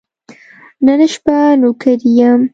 نن شپه نوکري یم .